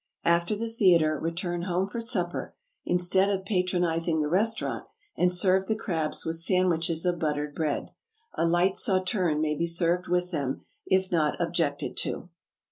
After the theatre, return home for supper, instead of patronizing the restaurant, and serve the crabs with sandwiches of buttered bread. A light sauterne may be served with them, if not objected to.